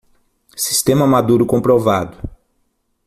Sistema maduro comprovado